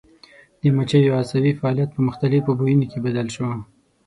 د مچیو عصبي فعالیت په مختلفو بویونو کې بدل شو.